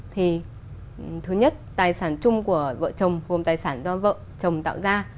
thì thứ nhất tài sản chung của vợ chồng gồm tài sản do vợ chồng tạo ra